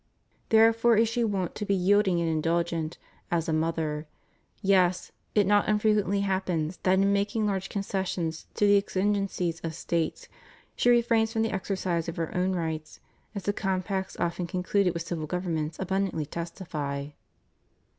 313 Therefore is she wont to be yielding and indulgent as a mother; yea, it not unfrequently happens that in making large concessions to the exigencies of States, she refrains from the exercise of her own rights, as the compacts often concluded with civil governments abundantly testify.